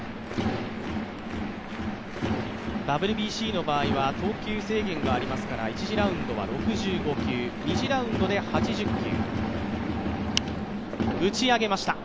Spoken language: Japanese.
ＷＢＣの場合は、投球制限がありますから１次ラウンドは６５球、２次ラウンドで８０球。